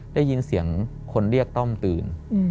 ได้ยินเสียงคนเรียกต้อมตื่น